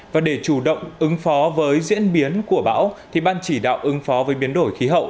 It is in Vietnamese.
và để chủ động ứng phó với diễn biến của bão thì ban chỉ đạo ứng phó với biến đổi khí hậu